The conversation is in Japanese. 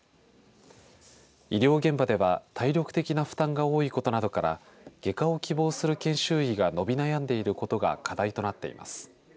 医療現場では体力的な負担が多いことなどから外科を希望する研修医が伸び悩んでいることが課題となっています。